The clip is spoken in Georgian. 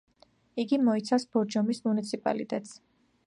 იგი მოიცავს ბორჯომის მუნიციპალიტეტს.